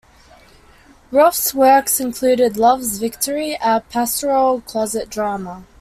Wroth's works also include "Love's Victory", a pastoral closet drama.